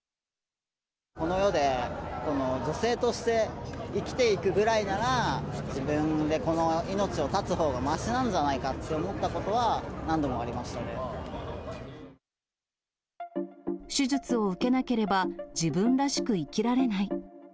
この世で、女性として生きていくぐらいなら、自分でこの命を絶つほうがましなんじゃないかって思ったことは何手術を受けなければ自分らしく生きられない。